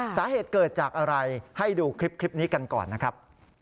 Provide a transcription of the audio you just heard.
สาเหตุเกิดจากอะไรให้ดูคลิปนี้กันก่อนนะครับ